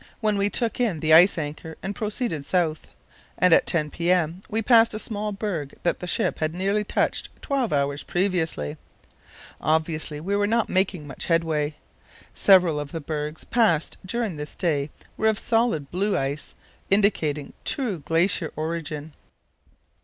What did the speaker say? when we took in the ice anchor and proceeded south, and at 10 p.m. we passed a small berg that the ship had nearly touched twelve hours previously. Obviously we were not making much headway. Several of the bergs passed during this day were of solid blue ice, indicating true glacier origin.